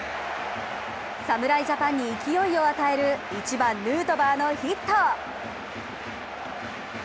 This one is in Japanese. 侍ジャパンに勢いを与える１番・ヌートバーのヒット。